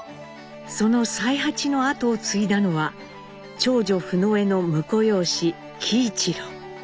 その才八の後を継いだのは長女フノエの婿養子喜一郎。